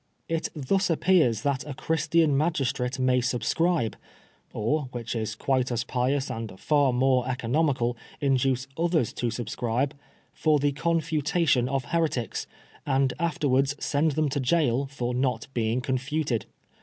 It thus appears that a Christian magistrate may subscribe (or, which is quite as pious and far more economical, induce others to subscribe) for the confutation of heretics, and after wards send them to gaol for not being confuted.